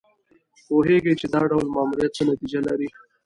پوهېږي چې دا ډول ماموریت څه نتیجه لري.